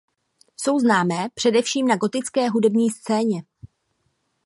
Jsou známé především na gotické hudební scéně.